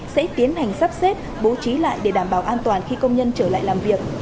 sẽ tiến hành sắp xếp bố trí lại để đảm bảo an toàn khi công nhân trở lại làm việc